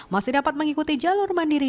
masih dapat mengikuti jalur mandiri